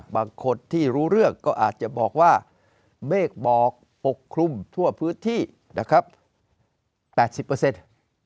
บางคนที่รู้เรื่องก็อาจจะบอกว่าเมฆบอกปกคลุมทั่วพื้นที่นะครับแปดสิบเปอร์เซ็นต์